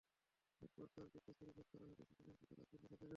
একবার তাঁর পেটে ছুরিকাঘাত করা হলে সেখানে কাটা দাগের চিহ্ন থেকে যায়।